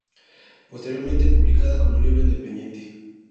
Posteriormente publicada como libro independiente.